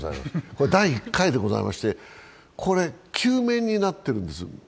これ第１回でしてこれ、９面になってるんです。